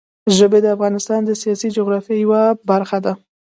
ژبې د افغانستان د سیاسي جغرافیه یوه برخه ده.